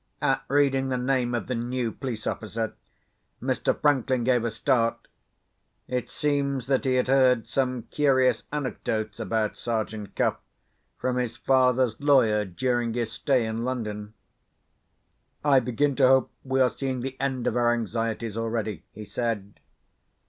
At reading the name of the new police officer, Mr. Franklin gave a start. It seems that he had heard some curious anecdotes about Sergeant Cuff, from his father's lawyer, during his stay in London. "I begin to hope we are seeing the end of our anxieties already," he said.